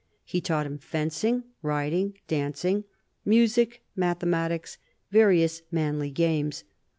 He taught them fencing, riding, dancing, music, mathematics, various manly games.